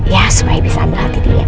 ya supaya bisa ambil hati diam